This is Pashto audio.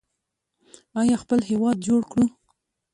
آیا خپل هیواد جوړ کړو؟